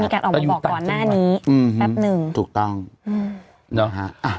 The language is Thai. การออกมาบอกก่อนหน้านี้อืมแป๊บหนึ่งถูกต้องอืมนะฮะอ่ะ